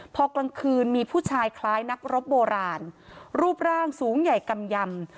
พอกลางคืนมีผู้ชายคล้ายนักรบโบราณรูปร่างสูงใหญ่กำยำ